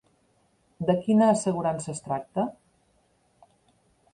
De quina assegurança es tracta?